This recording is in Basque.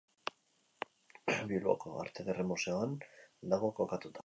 Bilboko Arte Ederren Museoan dago kokatua.